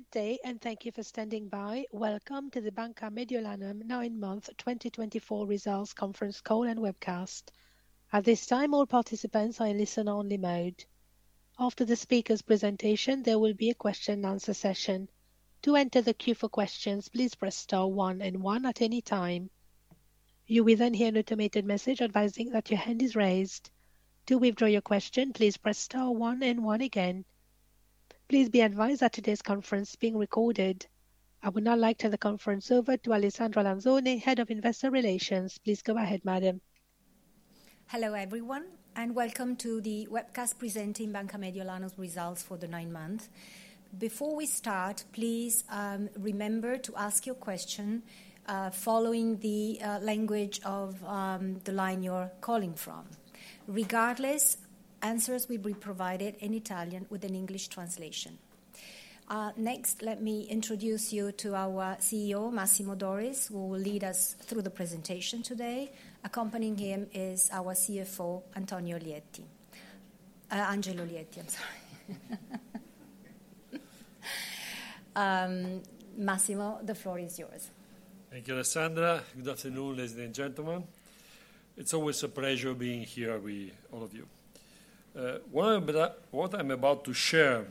Good day, and thank you for standing by. Welcome to the Banca Mediolanum nine month 2024 results conference call and webcast. At this time, all participants are in listen-only mode. After the speaker's presentation, there will be a question-and-answer session. To enter the queue for questions, please press star one and one at any time. You will then hear an automated message advising that your hand is raised. To withdraw your question, please press star one and one again. Please be advised that today's conference is being recorded. I would now like to turn the conference over to Alessandra Lanzone, Head of Investor Relations. Please go ahead, madam. Hello everyone, and welcome to the webcast presenting Banca Mediolanum's results for the nine month. Before we start, please remember to ask your question following the language of the line you're calling from. Regardless, answers will be provided in Italian with an English translation. Next, let me introduce you to our CEO, Massimo Doris, who will lead us through the presentation today. Accompanying him is our CFO, Antonio Lietti. Angelo Lietti, I'm sorry. Massimo, the floor is yours. Thank you, Alessandra. Good afternoon, ladies and gentlemen. It's always a pleasure being here with all of you. What I'm about to share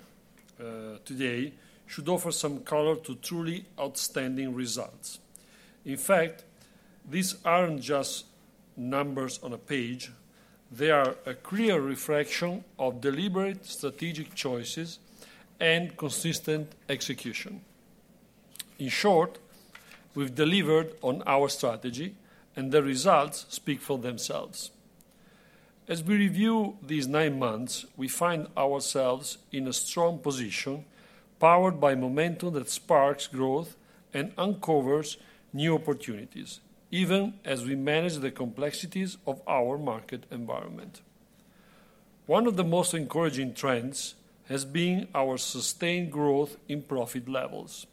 today should offer some color to truly outstanding results. In fact, these aren't just numbers on a page. They are a clear reflection of deliberate strategic choices and consistent execution. In short, we've delivered on our strategy, and the results speak for themselves. As we review these nine months, we find ourselves in a strong position, powered by momentum that sparks growth and uncovers new opportunities, even as we manage the complexities of our market environment. One of the most encouraging trends has been our sustained growth in profit levels,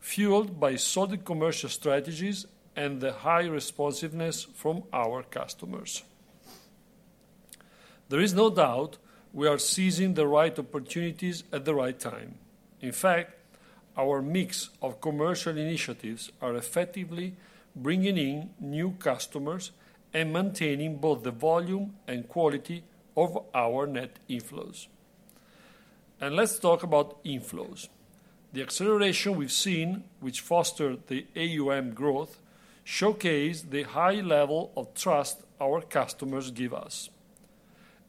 fueled by solid commercial strategies and the high responsiveness from our customers. There is no doubt we are seizing the right opportunities at the right time. In fact, our mix of commercial initiatives is effectively bringing in new customers and maintaining both the volume and quality of our net inflows. And let's talk about inflows. The acceleration we've seen, which fostered the AUM growth, showcases the high level of trust our customers give us.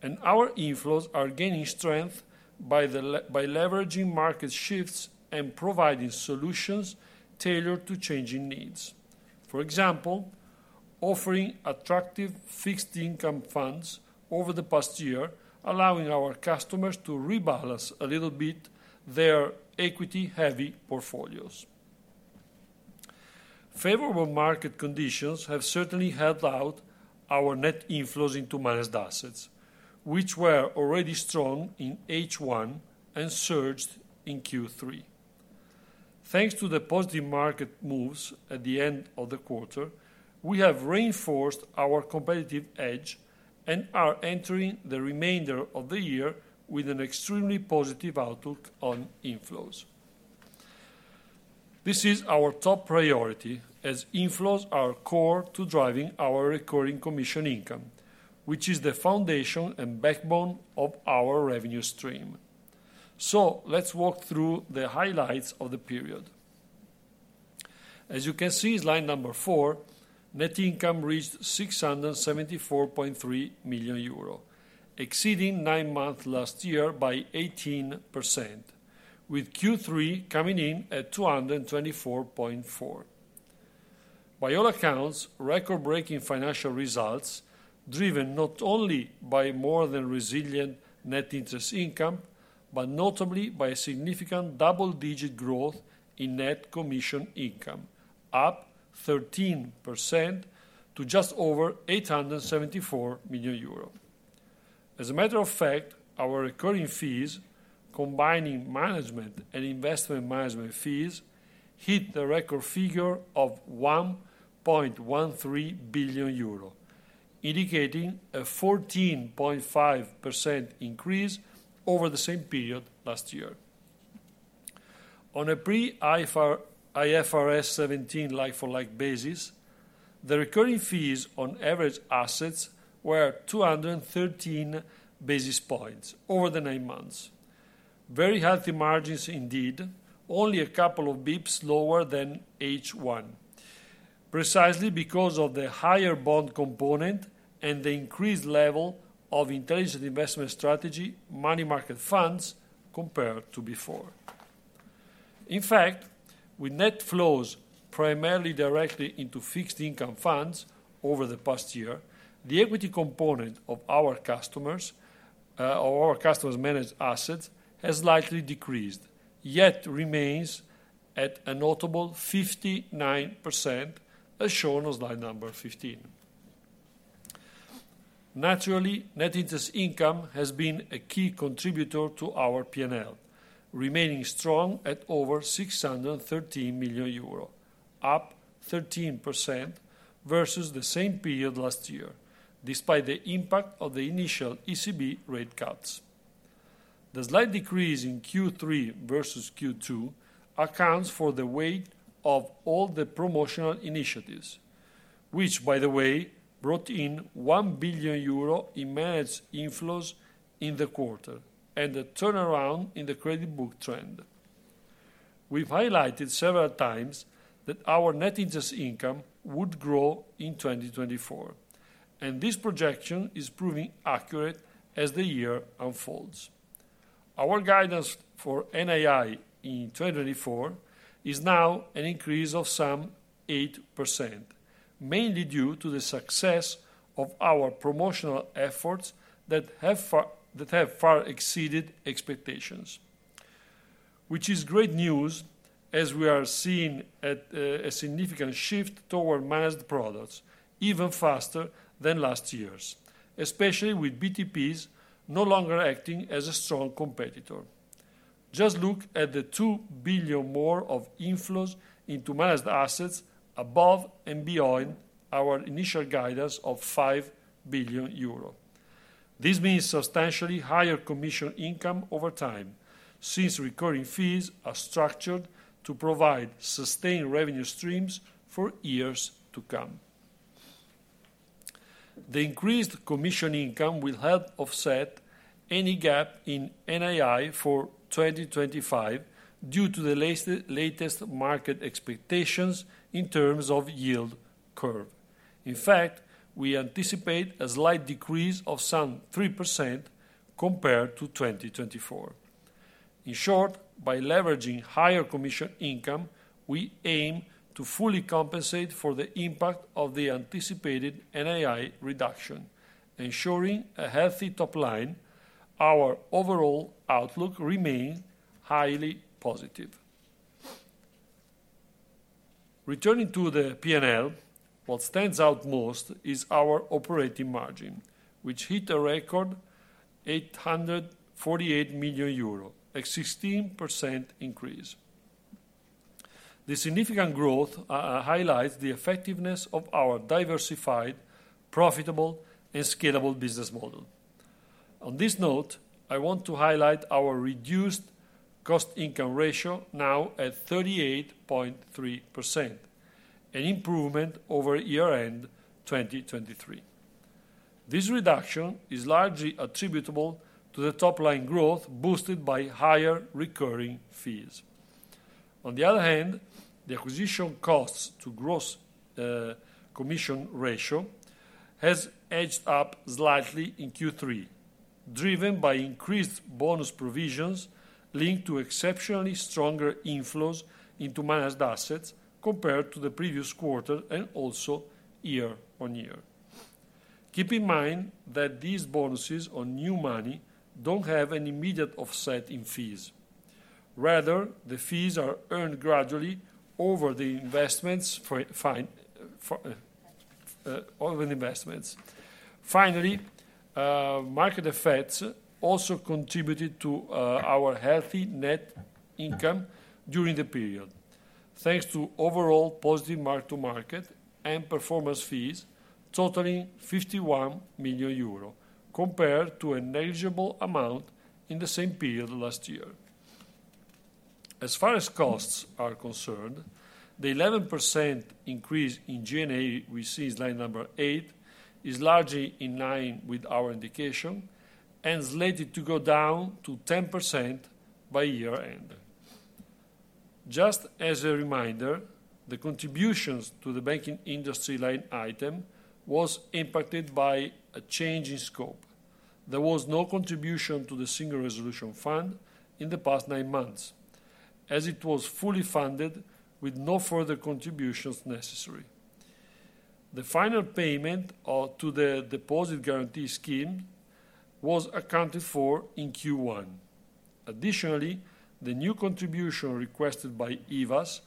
And our inflows are gaining strength by leveraging market shifts and providing solutions tailored to changing needs. For example, offering attractive fixed-income funds over the past year, allowing our customers to rebalance a little bit their equity-heavy portfolios. Favorable market conditions have certainly helped out our net inflows into managed assets, which were already strong in H1 and surged in Q3. Thanks to the positive market moves at the end of the quarter, we have reinforced our competitive edge and are entering the remainder of the year with an extremely positive outlook on inflows. This is our top priority, as inflows are core to driving our recurring commission income, which is the foundation and backbone of our revenue stream. So let's walk through the highlights of the period. As you can see in line number four, net inflows reached 674.3 million euro, exceeding nine months last year by 18%, with Q3 coming in at 224.4. By all accounts, record-breaking financial results driven not only by more than resilient net interest income, but notably by significant double-digit growth in net commission income, up 13% to just over 874 million euro. As a matter of fact, our recurring fees, combining management and investment management fees, hit the record figure of 1.13 billion euro, indicating a 14.5% increase over the same period last year. On a pre-IFRS 17 like-for-like basis, the recurring fees on average assets were 213 basis points over the nine months. Very healthy margins indeed, only a couple of basis points lower than H1, precisely because of the higher bond component and the increased level of Intelligent Investment Strategy money market funds compared to before. In fact, with net flows primarily directly into fixed-income funds over the past year, the equity component of our customers' managed assets has likely decreased, yet remains at a notable 59%, as shown on slide number 15. Naturally, net interest income has been a key contributor to our P&L, remaining strong at over 613 million euro, up 13% versus the same period last year, despite the impact of the initial ECB rate cuts. The slight decrease in Q3 versus Q2 accounts for the weight of all the promotional initiatives, which, by the way, brought in 1 billion euro in managed inflows in the quarter and a turnaround in the credit book trend. We've highlighted several times that our net interest income would grow in 2024, and this projection is proving accurate as the year unfolds. Our guidance for NII in 2024 is now an increase of some 8%, mainly due to the success of our promotional efforts that have far exceeded expectations, which is great news as we are seeing a significant shift toward managed products even faster than last year's, especially with BTPs no longer acting as a strong competitor. Just look at the 2 billion more of inflows into managed assets above and beyond our initial guidance of 5 billion euro. This means substantially higher commission income over time since recurring fees are structured to provide sustained revenue streams for years to come. The increased commission income will help offset any gap in NII for 2025 due to the latest market expectations in terms of yield curve. In fact, we anticipate a slight decrease of some 3% compared to 2024. In short, by leveraging higher commission income, we aim to fully compensate for the impact of the anticipated NII reduction, ensuring a healthy top line. Our overall outlook remains highly positive. Returning to the P&L, what stands out most is our operating margin, which hit a record 848 million euro, a 16% increase. This significant growth highlights the effectiveness of our diversified, profitable, and scalable business model. On this note, I want to highlight our reduced cost-income ratio now at 38.3%, an improvement over year-end 2023. This reduction is largely attributable to the top-line growth boosted by higher recurring fees. On the other hand, the acquisition costs to gross commission ratio has edged up slightly in Q3, driven by increased bonus provisions linked to exceptionally stronger inflows into managed assets compared to the previous quarter and also year-on-year. Keep in mind that these bonuses on new money don't have an immediate offset in fees. Rather, the fees are earned gradually over the investments. Finally, market effects also contributed to our healthy net income during the period, thanks to overall positive mark-to-market and performance fees, totaling 51 million euro, compared to a negligible amount in the same period last year. As far as costs are concerned, the 11% increase in G&A we see in slide number eight is largely in line with our indication and is likely to go down to 10% by year-end. Just as a reminder, the contributions to the banking industry line item were impacted by a change in scope. There was no contribution to the Single Resolution Fund in the past nine months, as it was fully funded with no further contributions necessary. The final payment to the Deposit Guarantee Scheme was accounted for in Q1. Additionally, the new contribution requested by IVASS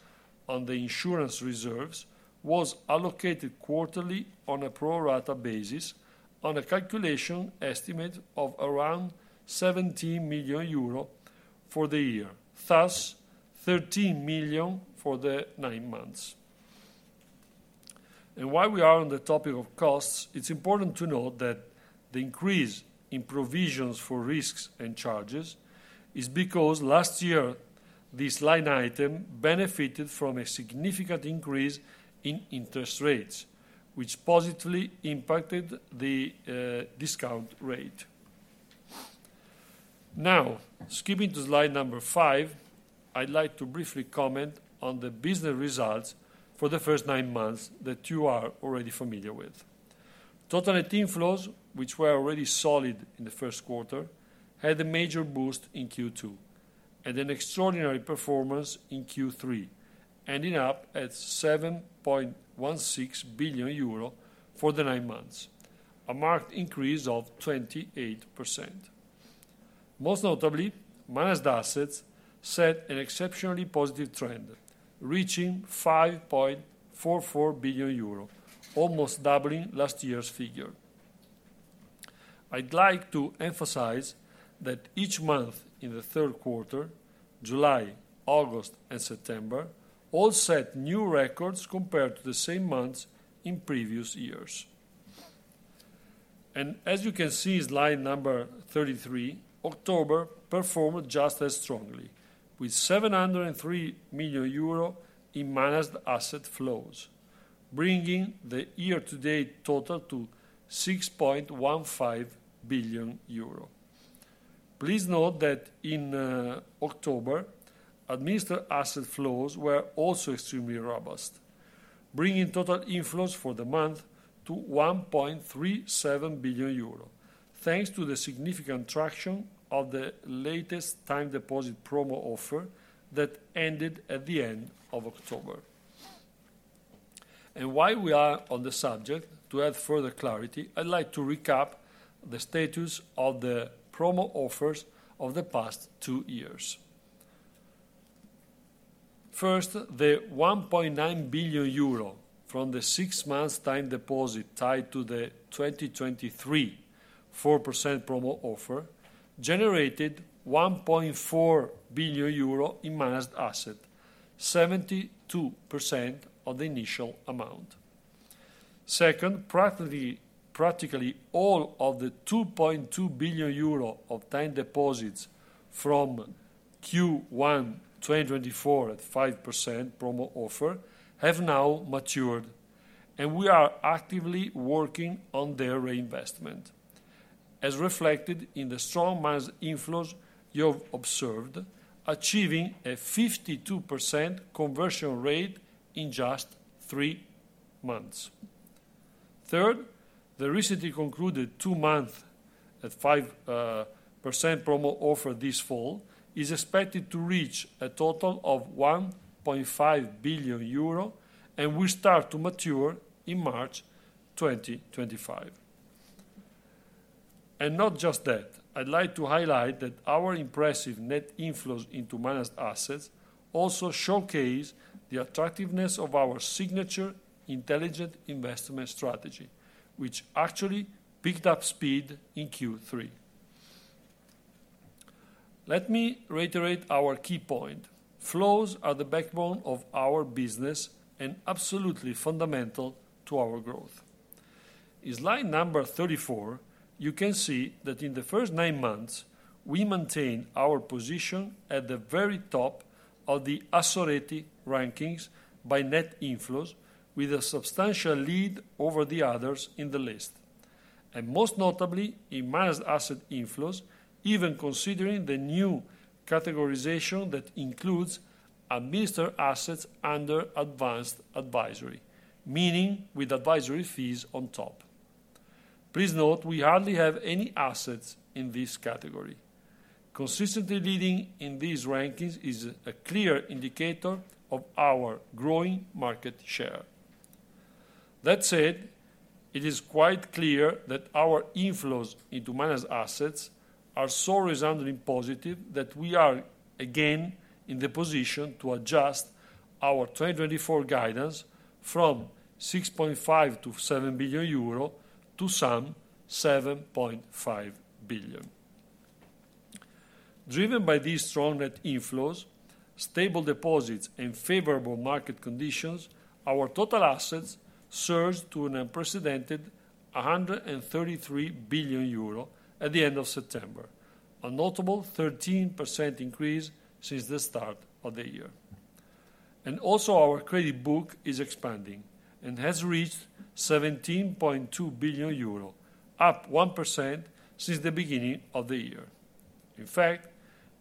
on the insurance reserves was allocated quarterly on a pro-rata basis on a calculation estimate of around 17 million euro for the year, thus 13 million for the nine months, and while we are on the topic of costs, it's important to note that the increase in provisions for risks and charges is because last year this line item benefited from a significant increase in interest rates, which positively impacted the discount rate. Now, skipping to slide number five, I'd like to briefly comment on the business results for the first nine months that you are already familiar with. Total net inflows, which were already solid in the first quarter, had a major boost in Q2 and an extraordinary performance in Q3, ending up at 7.16 billion euro for the nine months, a marked increase of 28%. Most notably, managed assets set an exceptionally positive trend, reaching 5.44 billion euro, almost doubling last year's figure. I'd like to emphasize that each month in the third quarter, July, August, and September, all set new records compared to the same months in previous years. And as you can see in slide number 33, October performed just as strongly, with 703 million euro in managed asset flows, bringing the year-to-date total to 6.15 billion euro. Please note that in October, administered asset flows were also extremely robust, bringing total inflows for the month to 1.37 billion euro, thanks to the significant traction of the latest time deposit promo offer that ended at the end of October. And while we are on the subject, to add further clarity, I'd like to recap the status of the promo offers of the past two years. First, the 1.9 billion euro from the 6-month time deposit tied to the 2023 4% promo offer generated 1.4 billion euro in managed assets, 72% of the initial amount. Second, practically all of the 2.2 billion euro of time deposits from Q1 2024 at 5% promo offer have now matured, and we are actively working on their reinvestment, as reflected in the strong managed inflows you have observed, achieving a 52% conversion rate in just three months. Third, the recently concluded two-month at 5% promo offer this fall is expected to reach a total of 1.5 billion euro, and will start to mature in March 2025. And not just that, I'd like to highlight that our impressive net inflows into managed assets also showcase the attractiveness of our signature intelligent investment strategy, which actually picked up speed in Q3. Let me reiterate our key point: flows are the backbone of our business and absolutely fundamental to our growth. In slide number 34, you can see that in the first nine months, we maintain our position at the very top of the Assoreti rankings by net inflows, with a substantial lead over the others in the list, and most notably, in managed asset inflows, even considering the new categorization that includes administered assets under advanced advisory, meaning with advisory fees on top. Please note, we hardly have any assets in this category. Consistently leading in these rankings is a clear indicator of our growing market share. That said, it is quite clear that our inflows into managed assets are so resoundingly positive that we are again in the position to adjust our 2024 guidance from 6.5-7 billion euro to some 7.5 billion. Driven by these strong net inflows, stable deposits, and favorable market conditions, our total assets surged to an unprecedented 133 billion euro at the end of September, a notable 13% increase since the start of the year. Also, our credit book is expanding and has reached 17.2 billion euro, up 1% since the beginning of the year. In fact,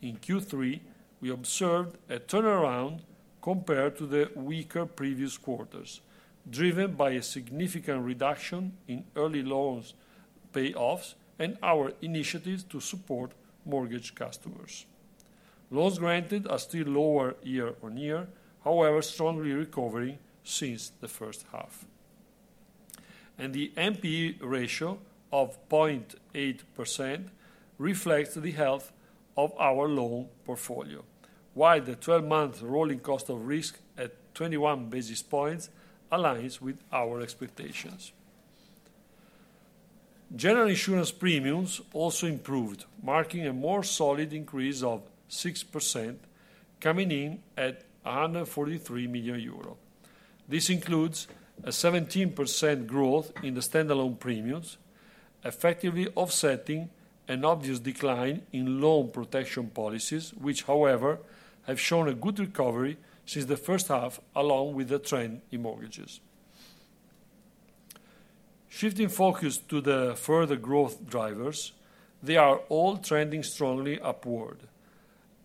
in Q3, we observed a turnaround compared to the weaker previous quarters, driven by a significant reduction in early loans payoffs and our initiatives to support mortgage customers. Loans granted are still lower year-on-year, however strongly recovering since the first half. The NPE ratio of 0.8% reflects the health of our loan portfolio, while the 12-month rolling cost of risk at 21 basis points aligns with our expectations. General insurance premiums also improved, marking a more solid increase of 6%, coming in at 143 million euro. This includes a 17% growth in the standalone premiums, effectively offsetting an obvious decline in loan protection policies, which, however, have shown a good recovery since the first half, along with the trend in mortgages. Shifting focus to the further growth drivers, they are all trending strongly upward,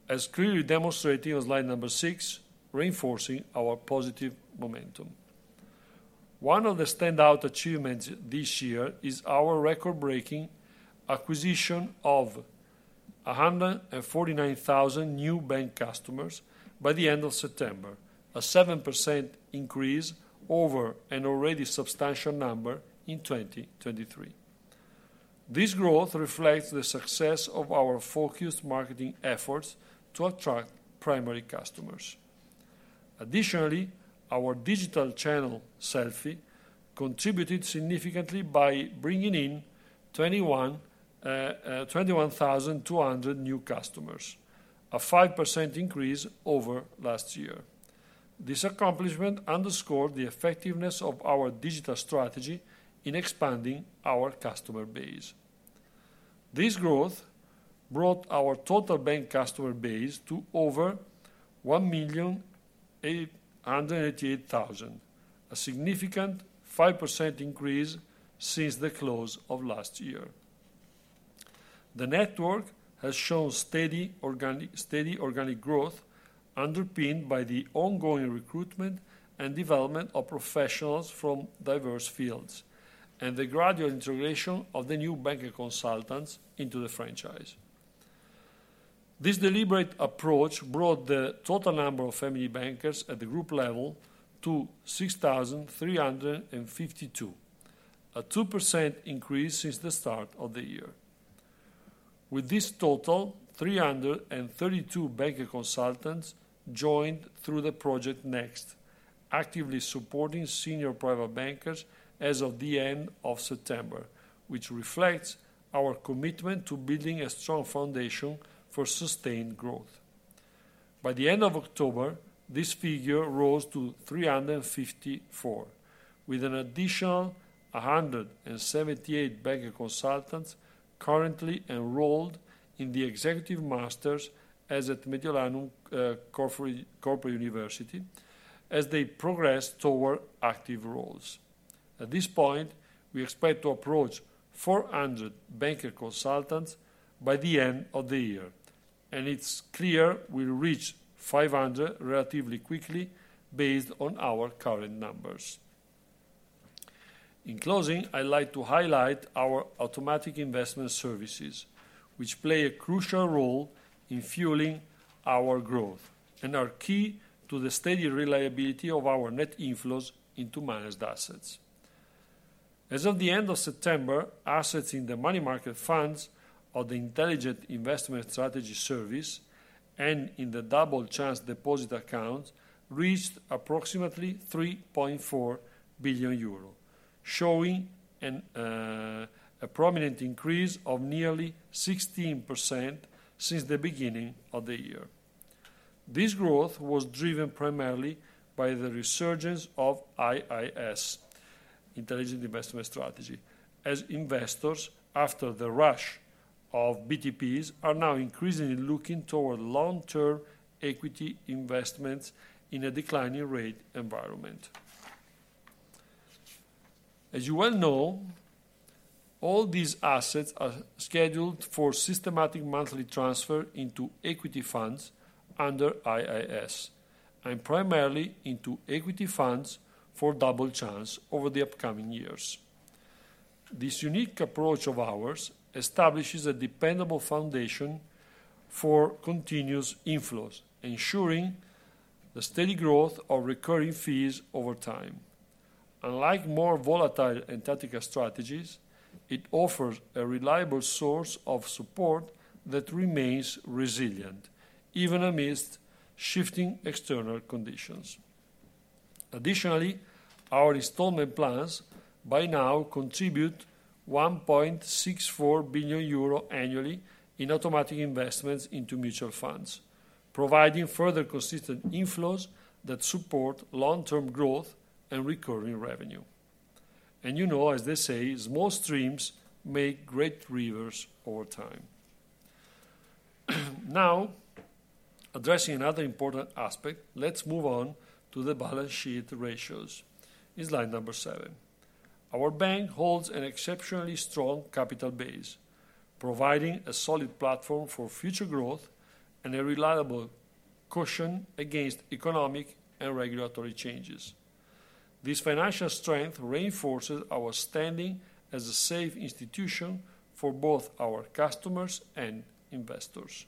as clearly demonstrated on slide number six, reinforcing our positive momentum. One of the standout achievements this year is our record-breaking acquisition of 149,000 new bank customers by the end of September, a 7% increase over an already substantial number in 2023. This growth reflects the success of our focused marketing efforts to attract primary customers. Additionally, our digital channel Selfy contributed significantly by bringing in 21,200 new customers, a 5% increase over last year. This accomplishment underscored the effectiveness of our digital strategy in expanding our customer base. This growth brought our total bank customer base to over 1,888,000, a significant 5% increase since the close of last year. The network has shown steady organic growth, underpinned by the ongoing recruitment and development of professionals from diverse fields and the gradual integration of the new banking consultants into the franchise. This deliberate approach brought the total number of Family Bankers at the group level to 6,352, a 2% increase since the start of the year. With this total, 332 banking consultants joined through the Project Next, actively supporting senior private bankers as of the end of September, which reflects our commitment to building a strong foundation for sustained growth. By the end of October, this figure rose to 354, with an additional 178 banking consultants currently enrolled in the Executive Master at Mediolanum Corporate University, as they progress toward active roles. At this point, we expect to approach 400 banking consultants by the end of the year, and it's clear we'll reach 500 relatively quickly, based on our current numbers. In closing, I'd like to highlight our automatic investment services, which play a crucial role in fueling our growth and are key to the steady reliability of our net inflows into managed assets. As of the end of September, assets in the money market funds of the Intelligent Investment Strategy service and in the Double Chance deposit accounts reached approximately EUR 3.4 billion, showing a prominent increase of nearly 16% since the beginning of the year. This growth was driven primarily by the resurgence of IIS, Intelligent Investment Strategy, as investors, after the rush of BTPs, are now increasingly looking toward long-term equity investments in a declining rate environment. As you well know, all these assets are scheduled for systematic monthly transfer into equity funds under IIS, and primarily into equity funds for Double Chance over the upcoming years. This unique approach of ours establishes a dependable foundation for continuous inflows, ensuring the steady growth of recurring fees over time. Unlike more volatile alternative strategies, it offers a reliable source of support that remains resilient, even amidst shifting external conditions. Additionally, our installment plans by now contribute 1.64 billion euro annually in automatic investments into mutual funds, providing further consistent inflows that support long-term growth and recurring revenue, and you know, as they say, small streams make great rivers over time. Now, addressing another important aspect, let's move on to the balance sheet ratios. In slide number seven, our bank holds an exceptionally strong capital base, providing a solid platform for future growth and a reliable cushion against economic and regulatory changes. This financial strength reinforces our standing as a safe institution for both our customers and investors.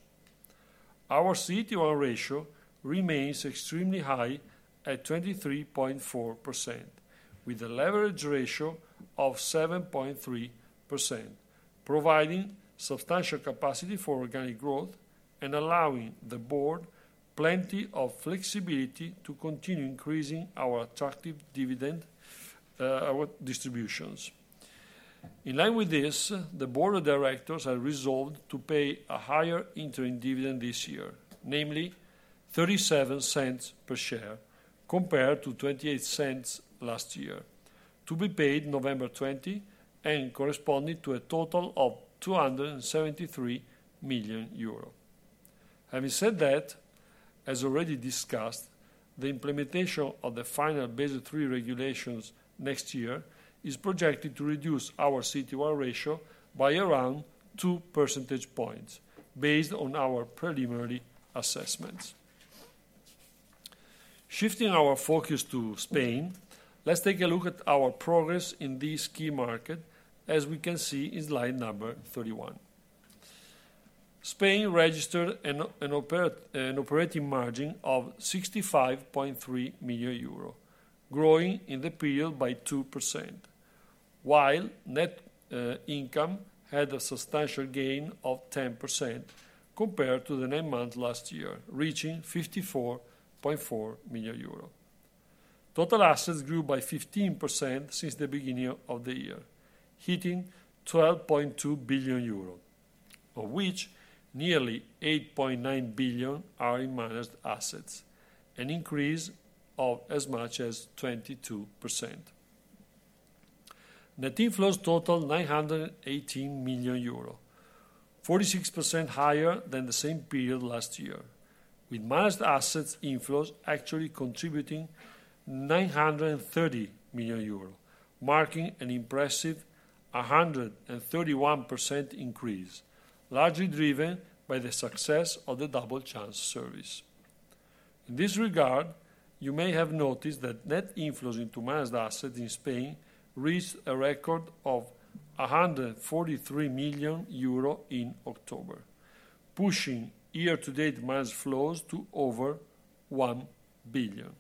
Our CET1 ratio remains extremely high at 23.4%, with a leverage ratio of 7.3%, providing substantial capacity for organic growth and allowing the board plenty of flexibility to continue increasing our attractive dividend distributions. In line with this, the board of directors has resolved to pay a higher interim dividend this year, namely 0.37 per share, compared to 0.28 last year, to be paid November 20 and corresponding to a total of 273 million euro. Having said that, as already discussed, the implementation of the final Basel III regulations next year is projected to reduce our CET1 ratio by around 2 percentage points, based on our preliminary assessments. Shifting our focus to Spain, let's take a look at our progress in this key market, as we can see in slide number 31. Spain registered an operating margin of 65.3 million euro, growing in the period by 2%, while net income had a substantial gain of 10% compared to the nine months last year, reaching 54.4 million euro. Total assets grew by 15% since the beginning of the year, hitting 12.2 billion euro, of which nearly 8.9 billion are in managed assets, an increase of as much as 22%. Net inflows total 918 million euro, 46% higher than the same period last year, with managed assets inflows actually contributing 930 million euro, marking an impressive 131% increase, largely driven by the success of the Double Chance service. In this regard, you may have noticed that net inflows into managed assets in Spain reached a record of 143 million euro in October, pushing year-to-date managed flows to over 1 billion,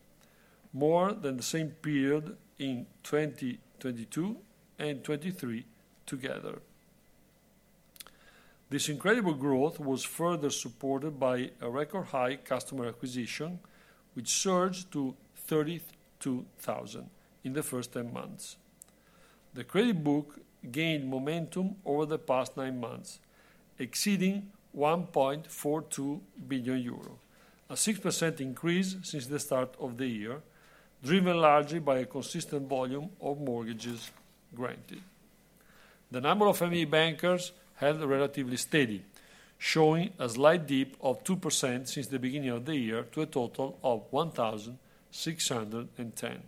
more than the same period in 2022 and 2023 together. This incredible growth was further supported by a record high customer acquisition, which surged to 32,000 in the first 10 months. The credit book gained momentum over the past 9 months, exceeding 1.42 billion euros, a 6% increase since the start of the year, driven largely by a consistent volume of mortgages granted. The number of family bankers held relatively steady, showing a slight dip of 2% since the beginning of the year to a total of 1,610.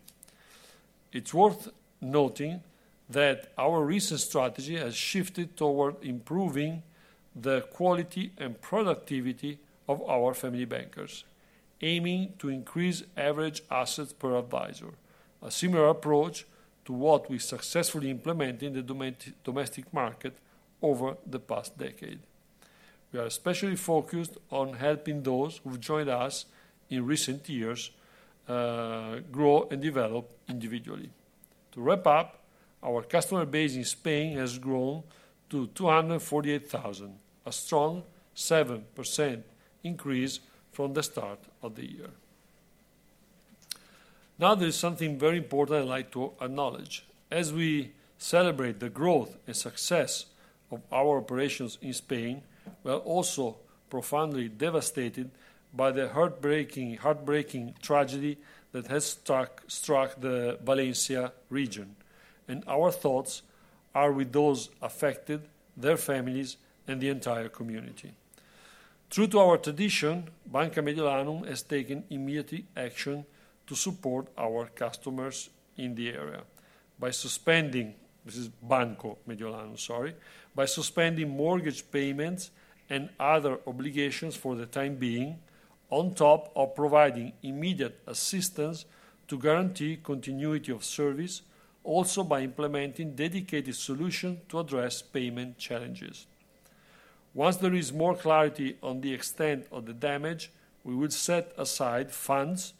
It's worth noting that our recent strategy has shifted toward improving the quality and productivity of our family bankers, aiming to increase average assets per advisor, a similar approach to what we successfully implemented in the domestic market over the past decade. We are especially focused on helping those who've joined us in recent years grow and develop individually. To wrap up, our customer base in Spain has grown to 248,000, a strong 7% increase from the start of the year. Now, there is something very important I'd like to acknowledge. As we celebrate the growth and success of our operations in Spain, we are also profoundly devastated by the heartbreaking tragedy that has struck the Valencia region, and our thoughts are with those affected, their families, and the entire community. True to our tradition, Banca Mediolanum has taken immediate action to support our customers in the area by suspending (this is Banco Mediolanum, sorry) by suspending mortgage payments and other obligations for the time being, on top of providing immediate assistance to guarantee continuity of service, also by implementing dedicated solutions to address payment challenges. Once there is more clarity on the extent of the damage, we will set aside funds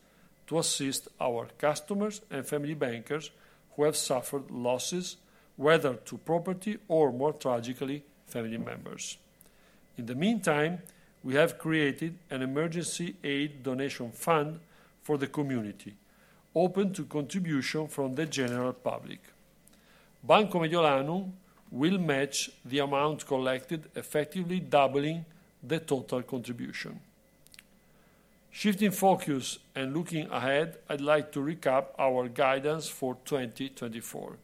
to assist our customers and family bankers who have suffered losses, whether to property or, more tragically, family members. In the meantime, we have created an emergency aid donation fund for the community, open to contribution from the general public. Banca Mediolanum will match the amount collected, effectively doubling the total contribution. Shifting focus and looking ahead, I'd like to recap our guidance for 2024.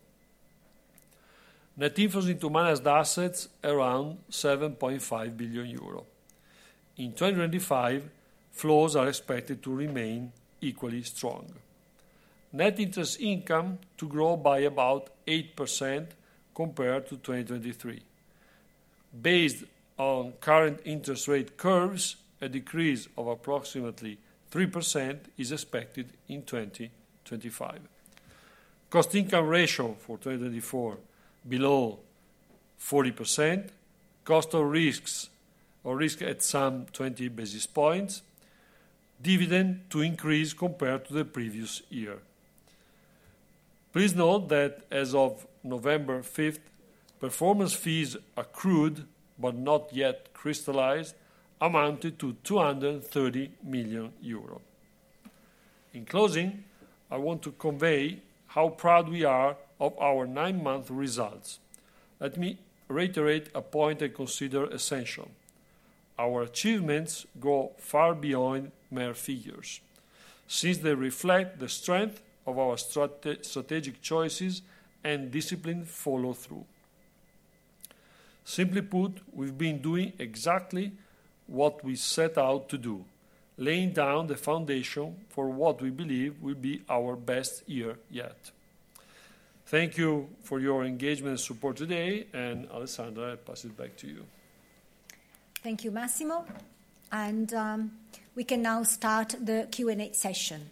Net inflows into managed assets around 7.5 billion euro. In 2025, flows are expected to remain equally strong. Net interest income to grow by about 8% compared to 2023. Based on current interest rate curves, a decrease of approximately 3% is expected in 2025. Cost-to-income ratio for 2024 below 40%, cost of risks or risk at some 20 basis points, dividend to increase compared to the previous year. Please note that as of November 5th, performance fees accrued but not yet crystallized amounted to 230 million euro. In closing, I want to convey how proud we are of our nine-month results. Let me reiterate a point I consider essential. Our achievements go far beyond mere figures since they reflect the strength of our strategic choices and disciplined follow-through. Simply put, we've been doing exactly what we set out to do, laying down the foundation for what we believe will be our best year yet. Thank you for your engagement and support today, and Alessandra, I pass it back to you. Thank you, Massimo. And we can now start the Q&A session.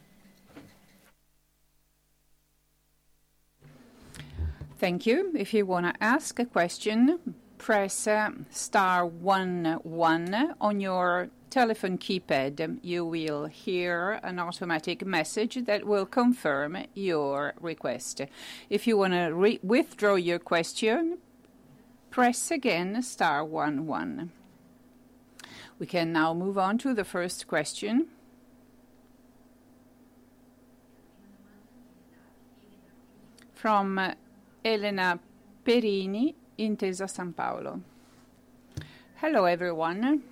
Thank you. If you want to ask a question, press star one one on your telephone keypad. You will hear an automatic message that will confirm your request. If you want to withdraw your question, press again star one one. We can now move on to the first question from Elena Perini in Intesa Sanpaolo. Hello everyone.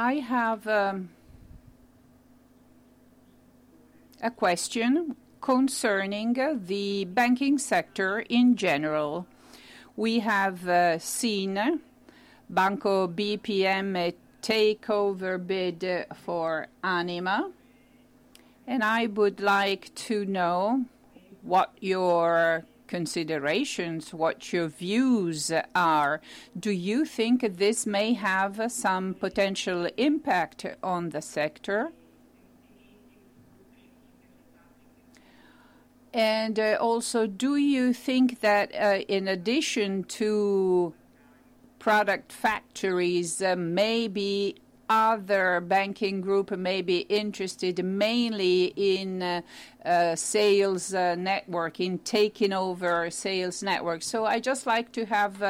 I have a question concerning the banking sector in general. We have seen Banco BPM takeover bid for Anima, and I would like to know what your considerations, what your views are. Do you think this may have some potential impact on the sector? And also, do you think that in addition to product factories, maybe other banking groups may be interested mainly in sales networking, taking over sales network? So I'd just like to have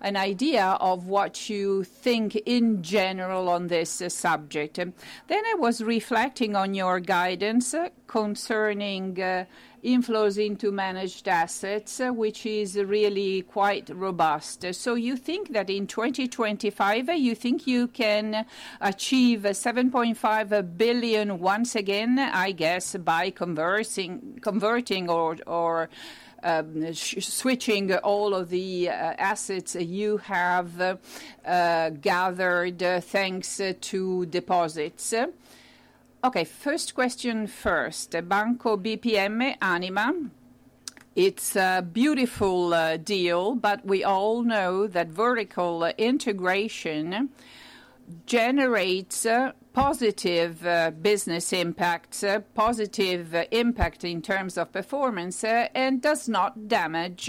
an idea of what you think in general on this subject. Then I was reflecting on your guidance concerning inflows into managed assets, which is really quite robust. So you think that in 2025, you think you can achieve 7.5 billion once again, I guess, by converting or switching all of the assets you have gathered thanks to deposits? Okay, first question first, Banco BPM Anima. It's a beautiful deal, but we all know that vertical integration generates positive business impact, positive impact in terms of performance, and does not damage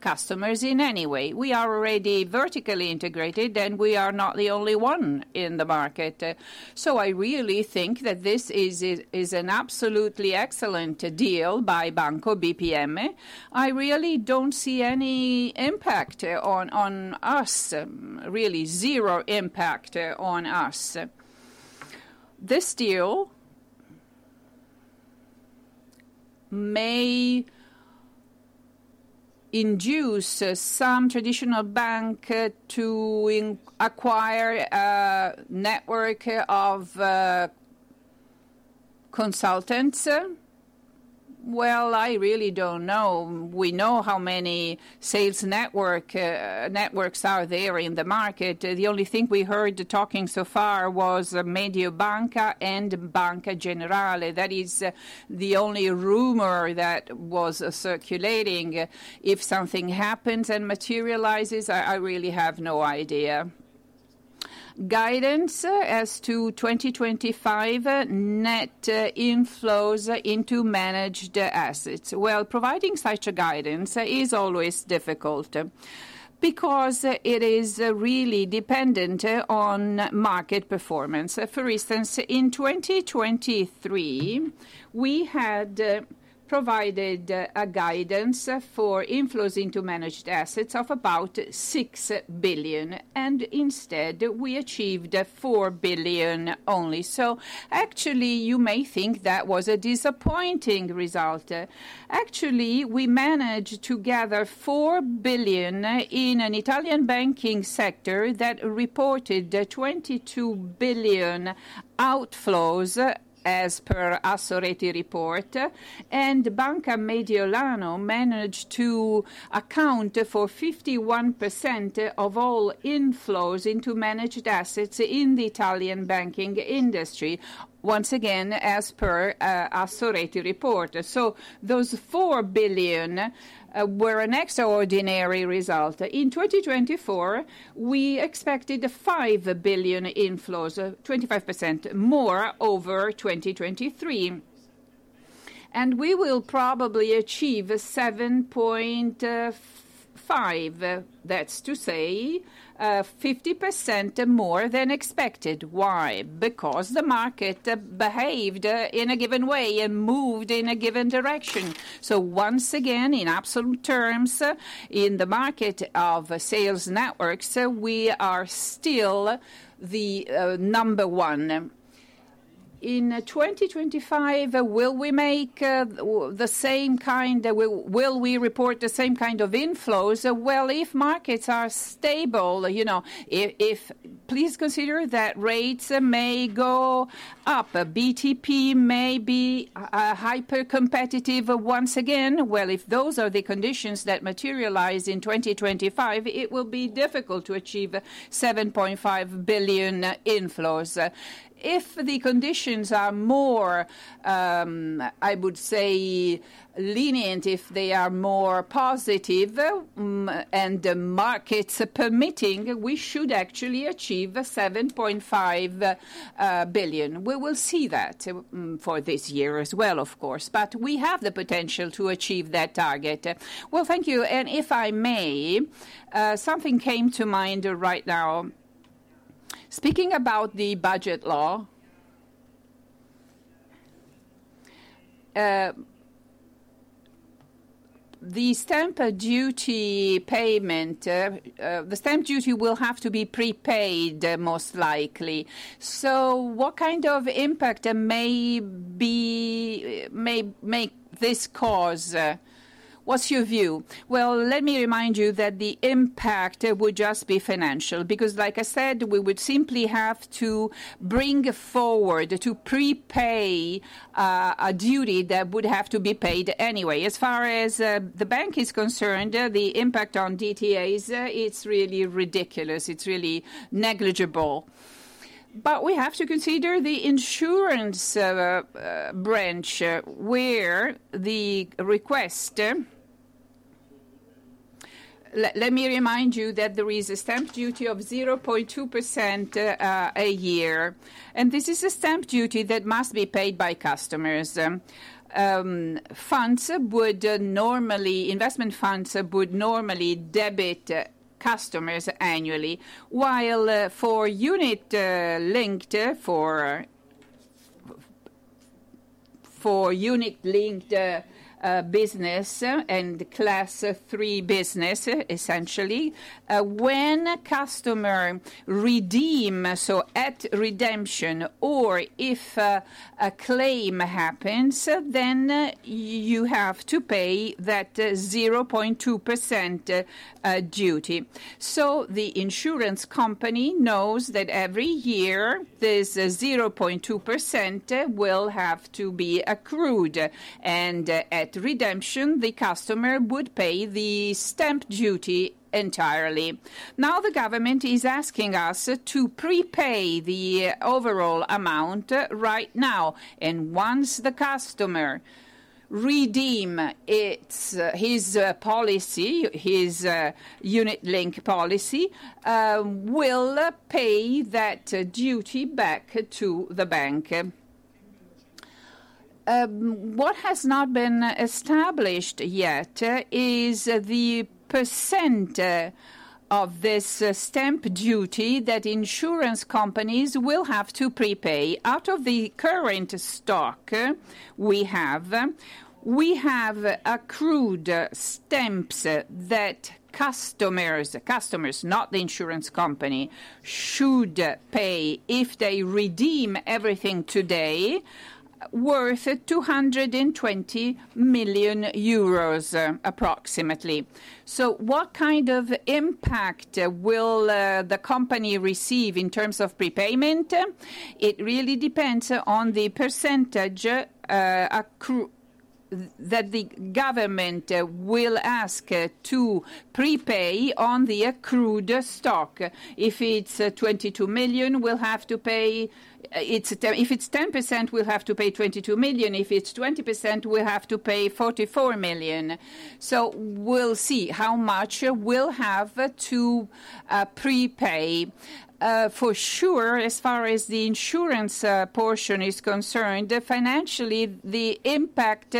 customers in any way. We are already vertically integrated, and we are not the only one in the market. So I really think that this is an absolutely excellent deal by Banco BPM. I really don't see any impact on us, really zero impact on us. This deal may induce some traditional bank to acquire a network of consultants. Well, I really don't know. We know how many sales networks are there in the market. The only thing we heard talking so far was Mediobanca and Banca Generali. That is the only rumor that was circulating. If something happens and materializes, I really have no idea. Guidance as to 2025 net inflows into managed assets. Providing such a guidance is always difficult because it is really dependent on market performance. For instance, in 2023, we had provided a guidance for inflows into managed assets of about 6 billion, and instead, we achieved 4 billion only. So actually, you may think that was a disappointing result. Actually, we managed to gather 4 billion in an Italian banking sector that reported 22 billion outflows as per Assoreti report, and Banca Mediolanum managed to account for 51% of all inflows into managed assets in the Italian banking industry, once again as per Assoreti report. So those 4 billion were an extraordinary result. In 2024, we expected 5 billion inflows, 25% more over 2023, and we will probably achieve 7.5 billion, that's to say 50% more than expected. Why? Because the market behaved in a given way and moved in a given direction. So once again, in absolute terms, in the market of sales networks, we are still the number one. In 2025, will we make the same kind? Will we report the same kind of inflows? Well, if markets are stable, you know, please consider that rates may go up. BTP may be hyper-competitive once again. Well, if those are the conditions that materialize in 2025, it will be difficult to achieve 7.5 billion inflows. If the conditions are more, I would say, lenient, if they are more positive and the markets permitting, we should actually achieve 7.5 billion. We will see that for this year as well, of course, but we have the potential to achieve that target. Well, thank you. And if I may, something came to mind right now. Speaking about the budget law, the stamp duty payment, the stamp duty will have to be prepaid most likely. What kind of impact may this cause? What's your view? Well, let me remind you that the impact would just be financial because, like I said, we would simply have to bring forward to prepay a duty that would have to be paid anyway. As far as the bank is concerned, the impact on DTAs, it's really ridiculous. It's really negligible. But we have to consider the insurance branch where the request, let me remind you that there is a stamp duty of 0.2% a year, and this is a stamp duty that must be paid by customers. Funds would normally, investment funds would normally debit customers annually, while for unit-linked, for unit-linked business and class three business, essentially, when a customer redeems, so at redemption, or if a claim happens, then you have to pay that 0.2% duty. So the insurance company knows that every year this 0.2% will have to be accrued, and at redemption, the customer would pay the stamp duty entirely. Now the government is asking us to prepay the overall amount right now, and once the customer redeems his policy, his unit-linked policy, will pay that duty back to the bank. What has not been established yet is the percent of this stamp duty that insurance companies will have to prepay. Out of the current stock we have, we have accrued stamps that customers, not the insurance company, should pay if they redeem everything today worth 220 million euros approximately. So what kind of impact will the company receive in terms of prepayment? It really depends on the percentage that the government will ask to prepay on the accrued stock. If it's 22 million, we'll have to pay, if it's 10%, we'll have to pay 22 million. If it's 20%, we'll have to pay 44 million. So we'll see how much we'll have to prepay. For sure, as far as the insurance portion is concerned, financially, the impact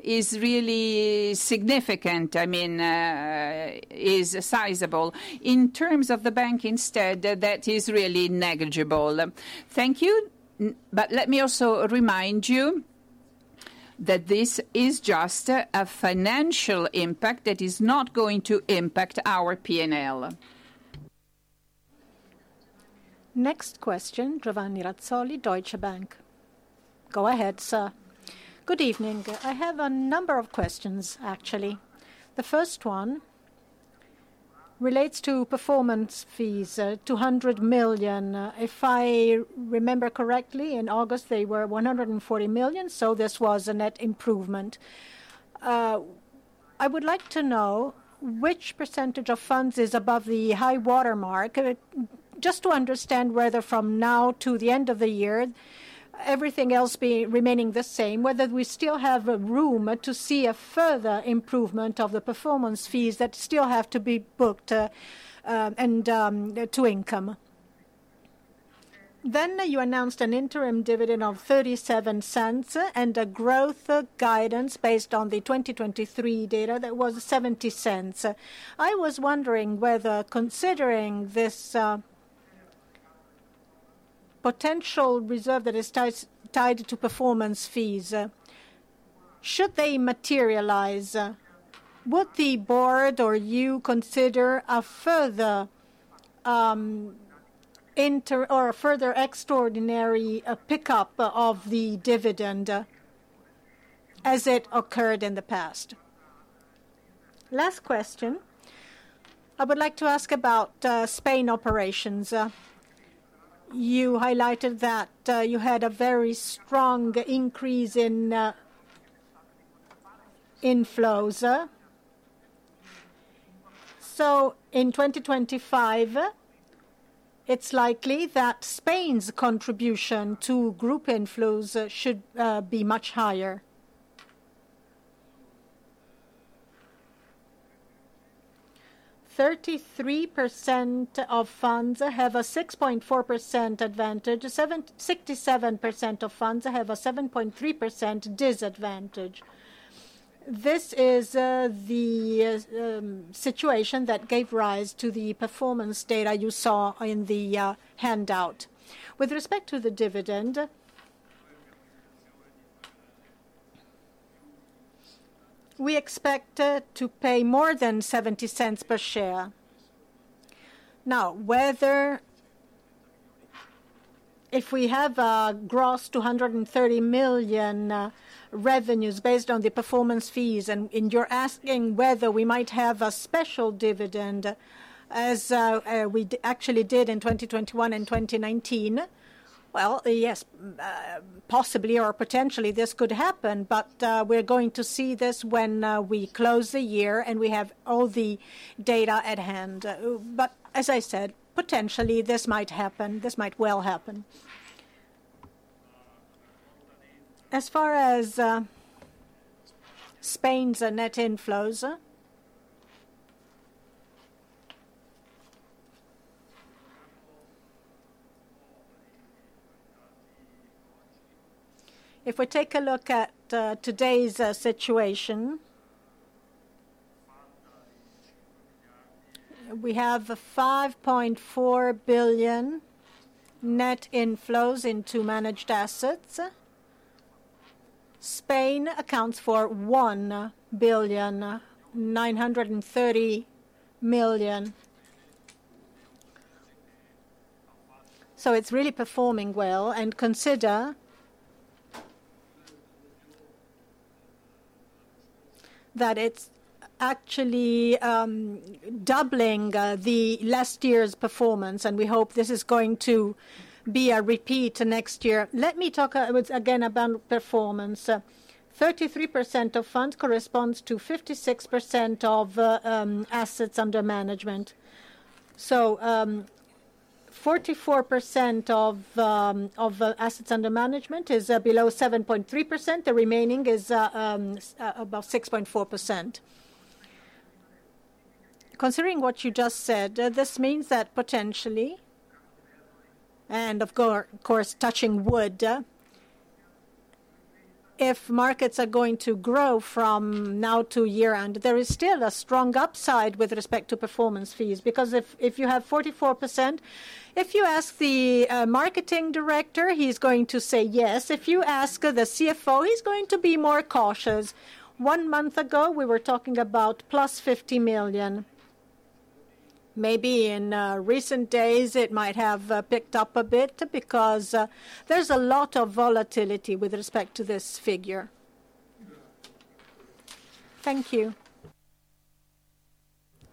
is really significant. I mean, is sizable. In terms of the bank instead, that is really negligible. Thank you, but let me also remind you that this is just a financial impact that is not going to impact our P&L. Next question, Giovanni Razzoli, Deutsche Bank. Go ahead, sir. Good evening. I have a number of questions, actually. The first one relates to performance fees, 200 million. If I remember correctly, in August, they were 140 million, so this was a net improvement. I would like to know which percentage of funds is above the high watermark, just to understand whether from now to the end of the year, everything else remaining the same, whether we still have room to see a further improvement of the performance fees that still have to be booked and to income. Then you announced an interim dividend of 0.37 and a growth guidance based on the 2023 data that was 0.70. I was wondering whether, considering this potential reserve that is tied to performance fees, should they materialize? Would the board or you consider a further extraordinary pickup of the dividend as it occurred in the past? Last question. I would like to ask about Spain operations. You highlighted that you had a very strong increase in inflows. So in 2025, it's likely that Spain's contribution to group inflows should be much higher. Thirty three percent of funds have a 6.4% advantage. 67% of funds have a 7.3% disadvantage. This is the situation that gave rise to the performance data you saw in the handout. With respect to the dividend, we expect to pay more than 0.70 per share. Now, whether if we have a gross 230 million revenues based on the performance fees, and you're asking whether we might have a special dividend as we actually did in 2021 and 2019, well, yes, possibly or potentially this could happen, but we're going to see this when we close the year and we have all the data at hand. But as I said, potentially this might happen. This might well happen. As far as Spain's net inflows, if we take a look at today's situation, we have 5.4 billion net inflows into managed assets. Spain accounts for 1 billion, 930 million. It's really performing well and consider that it's actually doubling the last year's performance, and we hope this is going to be a repeat next year. Let me talk again about performance. 33% of funds corresponds to 56% of assets under management. So 44% of assets under management is below 7.3%. The remaining is about 6.4%. Considering what you just said, this means that potentially, and of course, touching wood, if markets are going to grow from now to year-end, there is still a strong upside with respect to performance fees because if you have 44%, if you ask the marketing director, he's going to say yes. If you ask the CFO, he's going to be more cautious. One month ago, we were talking about plus 50 million. Maybe in recent days, it might have picked up a bit because there's a lot of volatility with respect to this figure. Thank you.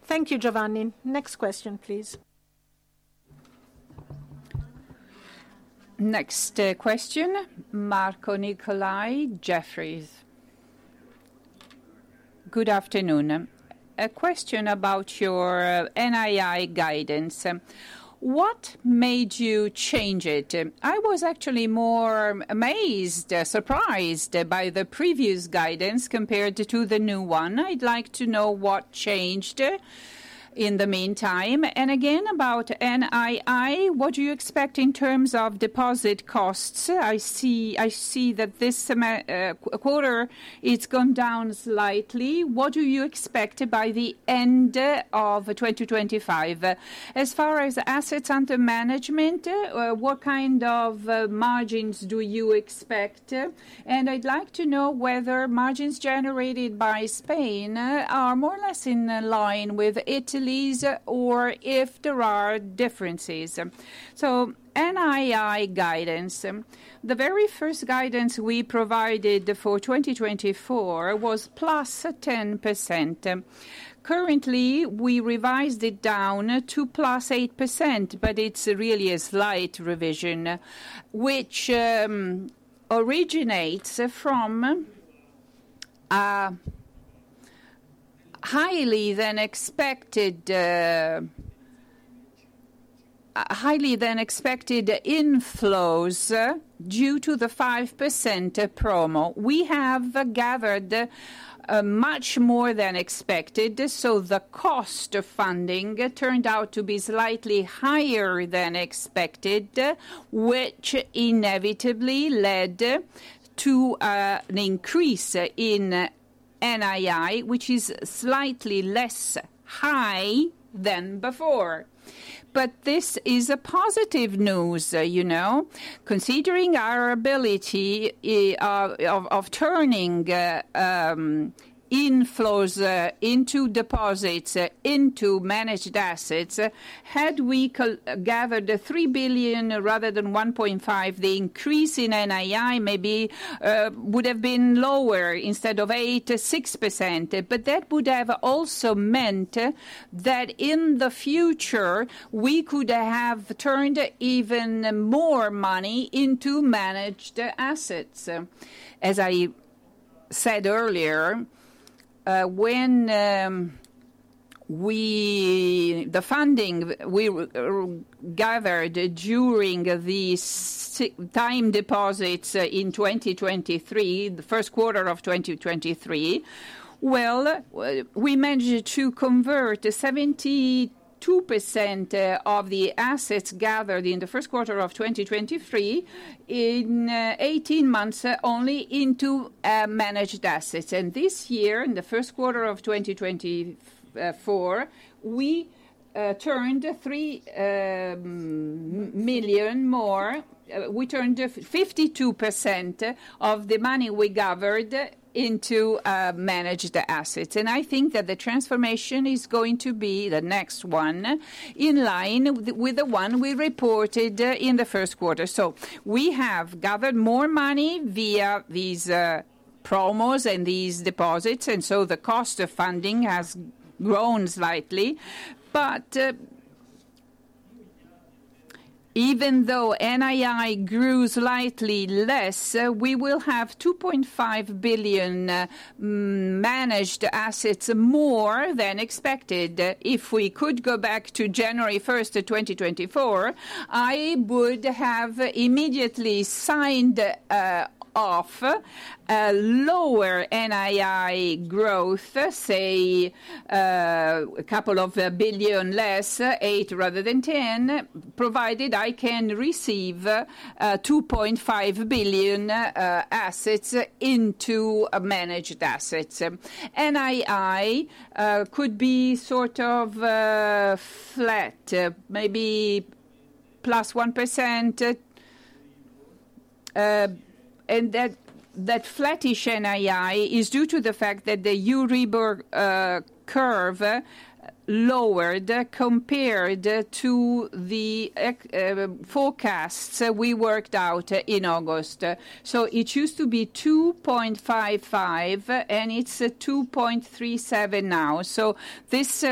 Thank you, Giovanni. Next question, please. Next question, Marco Nicolai, Jefferies. Good afternoon. A question about your NII guidance. What made you change it? I was actually more amazed, surprised by the previous guidance compared to the new one. I'd like to know what changed in the meantime. And again, about NII, what do you expect in terms of deposit costs? I see that this quarter it's gone down slightly. What do you expect by the end of 2025? As far as assets under management, what kind of margins do you expect? And I'd like to know whether margins generated by Spain are more or less in line with Italy's or if there are differences. So NII guidance, the very first guidance we provided for 2024 was plus 10%. Currently, we revised it down to plus 8%, but it's really a slight revision, which originates from higher than expected inflows due to the 5% promo. We have gathered much more than expected, so the cost of funding turned out to be slightly higher than expected, which inevitably led to an increase in NII, which is slightly less high than before. But this is positive news, you know, considering our ability of turning inflows into deposits, into managed assets. Had we gathered 3 billion rather than 1.5 billion, the increase in NII maybe would have been lower instead of 8%, 6%, but that would have also meant that in the future, we could have turned even more money into managed assets. As I said earlier, when the funding we gathered during the time deposits in 2023, the first quarter of 2023, well, we managed to convert 72% of the assets gathered in the first quarter of 2023 in 18 months only into managed assets. And this year, in the first quarter of 2024, we turned 3 million more. We turned 52% of the money we gathered into managed assets, and I think that the transformation is going to be the next one in line with the one we reported in the first quarter, so we have gathered more money via these promos and these deposits, and so the cost of funding has grown slightly, but even though NII grew slightly less, we will have 2.5 billion managed assets more than expected. If we could go back to January 1st, 2024, I would have immediately signed off a lower NII growth, say a couple of billion less, eight rather than 10, provided I can receive 2.5 billion assets into managed assets. NII could be sort of flat, maybe plus 1%, and that flattish NII is due to the fact that the Euribor curve lowered compared to the forecasts we worked out in August, so it used to be 2.55, and it's 2.37 now, so this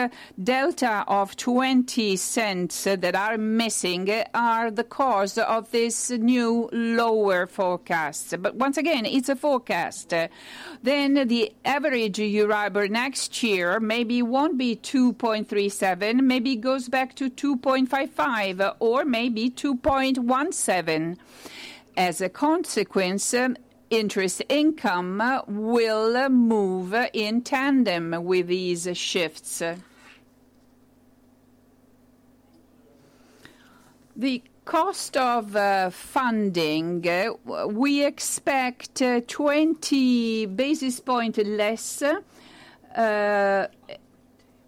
delta of 0.20 that are missing are the cause of this new lower forecast, but once again, it's a forecast, then the average Euribor next year maybe won't be 2.37, maybe goes back to 2.55, or maybe 2.17. As a consequence, interest income will move in tandem with these shifts. The cost of funding, we expect 20 basis points less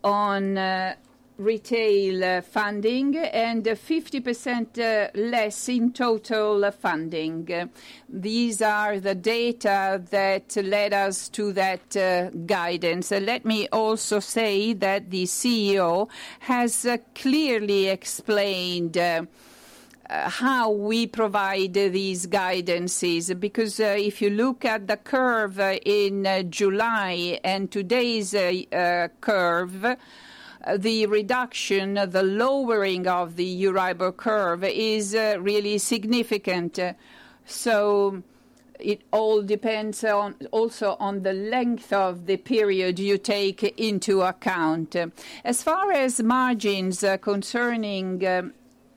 on retail funding and 50% less in total funding. These are the data that led us to that guidance. Let me also say that the CEO has clearly explained how we provide these guidances because if you look at the curve in July and today's curve, the reduction, the lowering of the Euribor curve is really significant. It all depends also on the length of the period you take into account. As far as margins concerning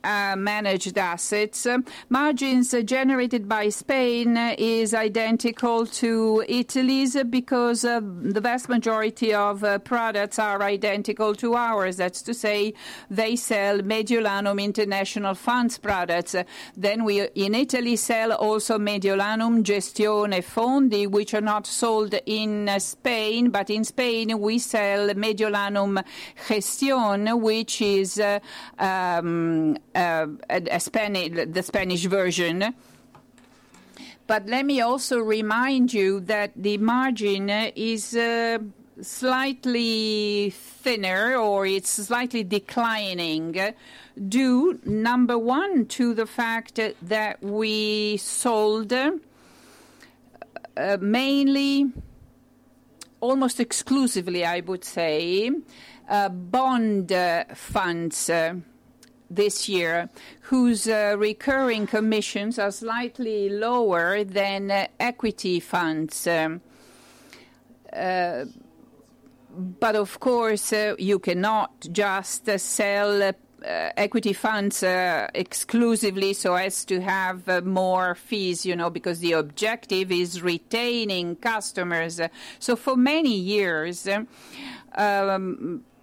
managed assets, margins generated by Spain is identical to Italy's because the vast majority of products are identical to ours. That's to say they sell Mediolanum International Funds products. Then we in Italy sell also Mediolanum Gestione Fondi, which are not sold in Spain, but in Spain we sell Mediolanum Gestión, which is the Spanish version. But let me also remind you that the margin is slightly thinner or it's slightly declining due, number one, to the fact that we sold mainly, almost exclusively, I would say, bond funds this year, whose recurring commissions are slightly lower than equity funds. But of course, you cannot just sell equity funds exclusively so as to have more fees, you know, because the objective is retaining customers. So for many years,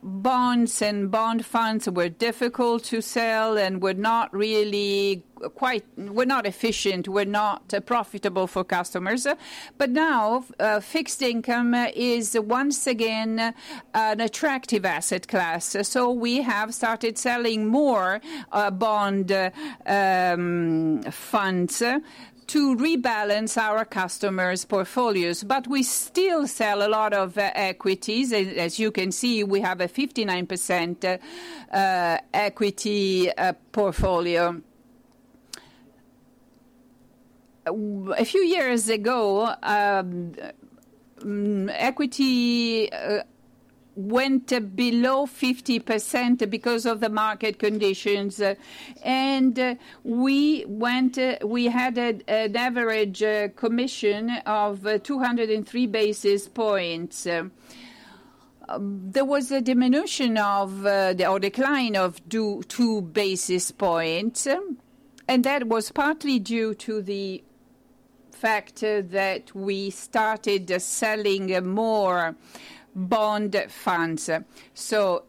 bonds and bond funds were difficult to sell and were not efficient, were not profitable for customers. But now fixed income is once again an attractive asset class. So we have started selling more bond funds to rebalance our customers' portfolios. But we still sell a lot of equities. As you can see, we have a 59% equity portfolio. A few years ago, equity went below 50% because of the market conditions. We had an average commission of 203 basis points. There was a diminution of or decline of two basis points, and that was partly due to the fact that we started selling more bond funds.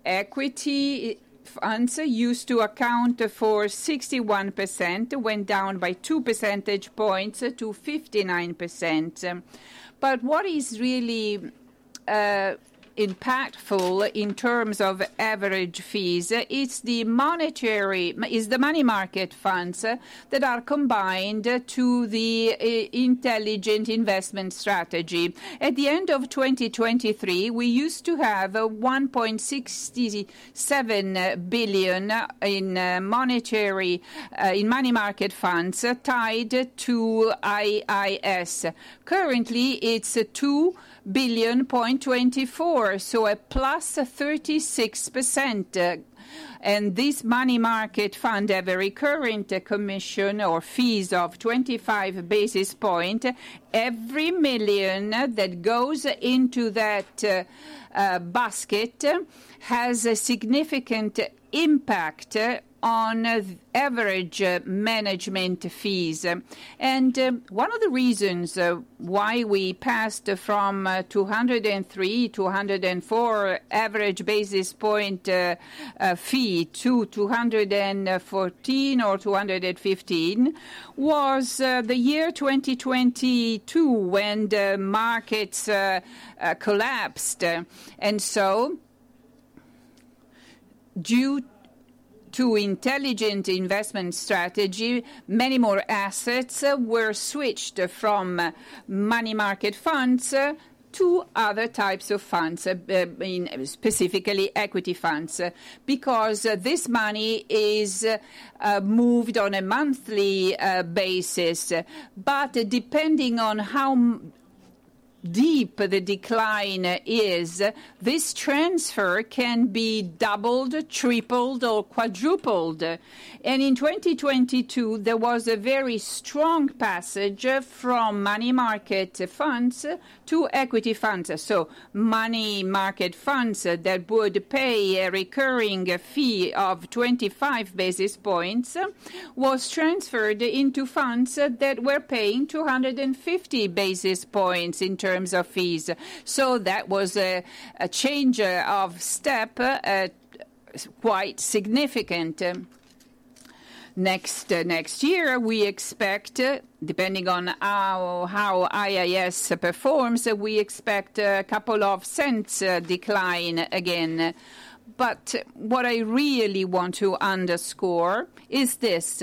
Equity funds used to account for 61% went down by two percentage points to 59%. What is really impactful in terms of average fees is the money market funds that are combined to the intelligent investment strategy. At the end of 2023, we used to have 1.67 billion in money market funds tied to IIS. Currently, it is 2.24 billion, so plus 36%. This money market fund has a current commission or fees of 25 basis points. Every million that goes into that basket has a significant impact on average management fees. And one of the reasons why we passed from 203, 204 average basis point fee to 214 or 215 basis point was the year 2022 when the markets collapsed. And so due to Intelligent Investment Strategy, many more assets were switched from money market funds to other types of funds, specifically equity funds, because this money is moved on a monthly basis. But depending on how deep the decline is, this transfer can be doubled, tripled, or quadrupled. And in 2022, there was a very strong passage from money market funds to equity funds. So money market funds that would pay a recurring fee of 25 basis points was transferred into funds that were paying 250 basis points in terms of fees. So that was a change of step quite significant. Next year, we expect, depending on how IIS performs, we expect a couple of cents decline again. But what I really want to underscore is this: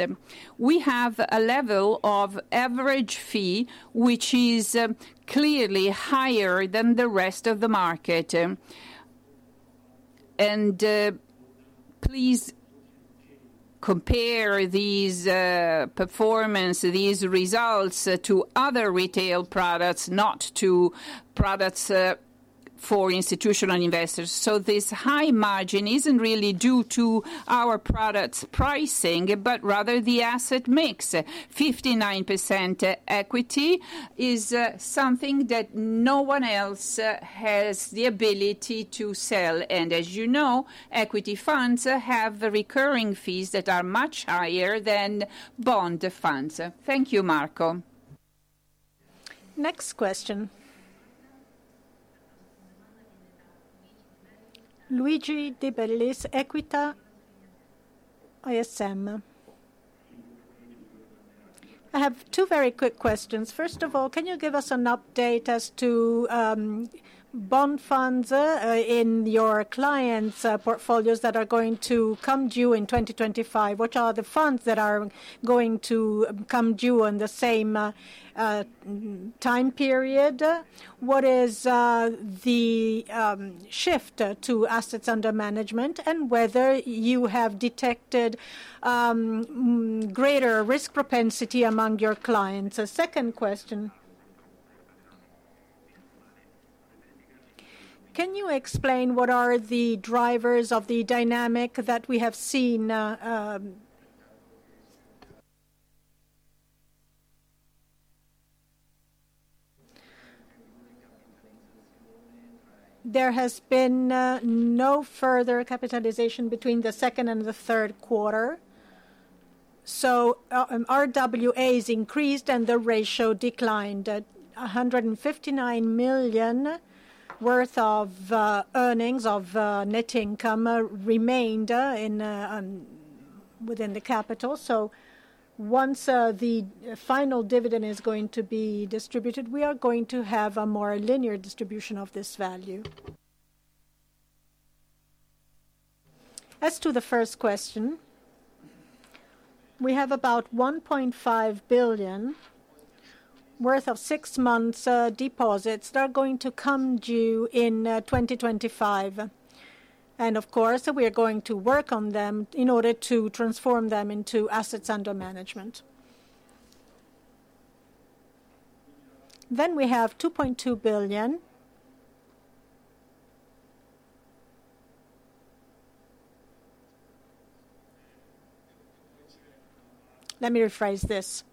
we have a level of average fee which is clearly higher than the rest of the market. And please compare these performances, these results to other retail products, not to products for institutional investors. So this high margin isn't really due to our products' pricing, but rather the asset mix. Fifty nine percent equity is something that no one else has the ability to sell. And as you know, equity funds have recurring fees that are much higher than bond funds. Thank you, Marco. Next question. Luigi De Bellis, Equita SIM. I have two very quick questions. First of all, can you give us an update as to bond funds in your clients' portfolios that are going to come due in 2025? Which are the funds that are going to come due in the same time period? What is the shift to assets under management and whether you have detected greater risk propensity among your clients? Second question. Can you explain what are the drivers of the dynamic that we have seen? There has been no further capitalization between the second and the third quarter. So RWAs increased and the ratio declined. 159 million worth of earnings of net income remained within the capital. So once the final dividend is going to be distributed, we are going to have a more linear distribution of this value. As to the first question, we have about 1.5 billion worth of six months' deposits that are going to come due in 2025. And of course, we are going to work on them in order to transform them into assets under management. Then we have EUR 2.2 billion. Let me rephrase this.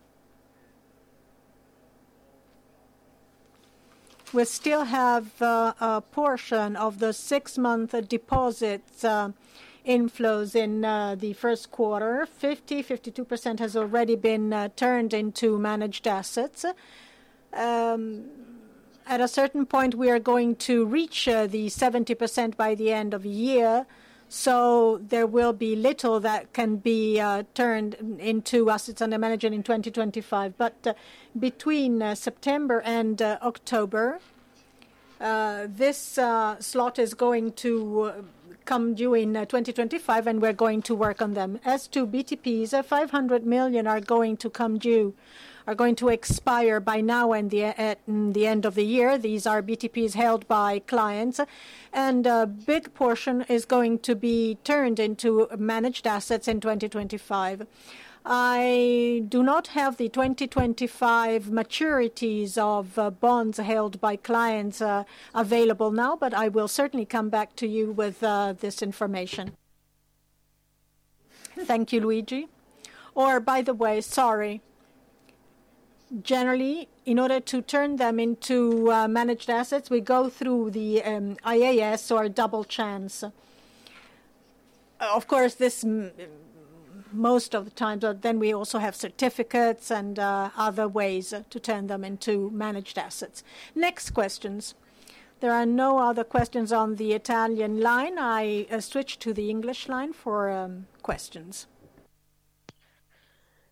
We still have a portion of the six-month deposits' inflows in the first quarter. Fifty to 52% has already been turned into managed assets. At a certain point, we are going to reach the 70% by the end of the year. So there will be little that can be turned into assets under management in 2025. But between September and October, this slot is going to come due in 2025, and we're going to work on them. As to BTPs, 500 million are going to come due, are going to expire by now and the end of the year. These are BTPs held by clients. And a big portion is going to be turned into managed assets in 2025. I do not have the 2025 maturities of bonds held by clients available now, but I will certainly come back to you with this information. Thank you, Luigi. Or, by the way, sorry. Generally, in order to turn them into managed assets, we go through the IIS or Double Chance. Of course, this most of the time, but then we also have certificates and other ways to turn them into managed assets. Next questions. There are no other questions on the Italian line. I switch to the English line for questions.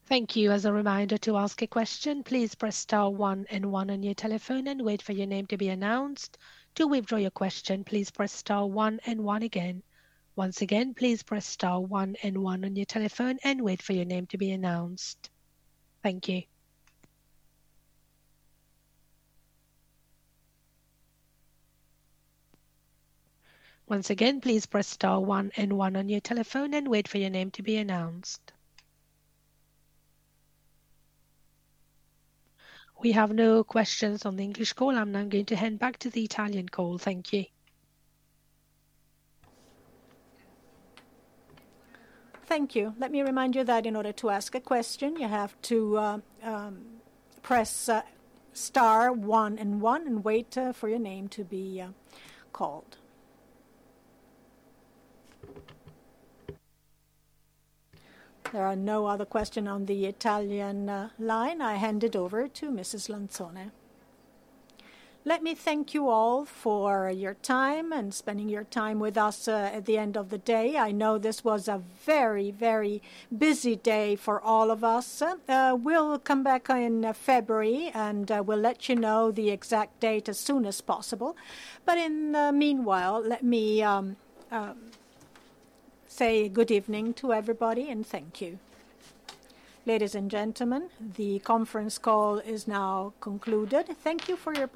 Thank you. As a reminder to ask a question, please press star one and one on your telephone and wait for your name to be announced. To withdraw your question, please press star one and one again. Once again, please press star one and one on your telephone and wait for your name to be announced. Thank you. Once again, please press star one and one on your telephone and wait for your name to be announced. We have no questions on the English call. I'm now going to hand back to the Italian call. Thank you. Thank you. Let me remind you that in order to ask a question, you have to press star one and one and wait for your name to be called. There are no other questions on the Italian line. I hand it over to Mrs. Lanzone. Let me thank you all for your time and spending your time with us at the end of the day. I know this was a very, very busy day for all of us. We'll come back in February and we'll let you know the exact date as soon as possible. But in the meanwhile, let me say good evening to everybody and thank you. Ladies and gentlemen, the conference call is now concluded. Thank you for your.